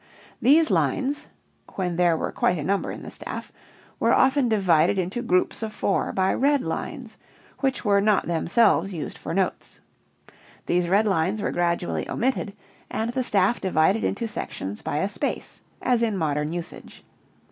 These lines (when there were quite a number in the staff) were often divided into groups of four by red lines, which were not themselves used for notes. These red lines were gradually omitted and the staff divided into sections by a space, as in modern usage.